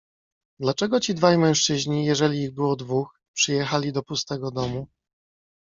"Dlaczego ci dwaj mężczyźni, jeżeli ich było dwóch, przyjechali do pustego domu?"